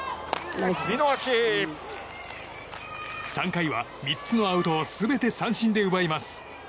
３回は３つのアウトを全て三振で奪います。